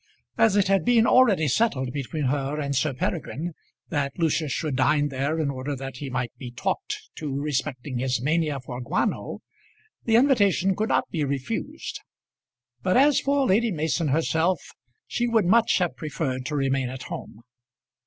As it had been already settled between her and Sir Peregrine that Lucius should dine there in order that he might be talked to respecting his mania for guano, the invitation could not be refused; but, as for Lady Mason herself, she would much have preferred to remain at home.